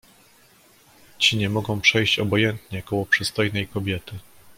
"Ci nie mogą przejść obojętnie koło przystojnej kobiety."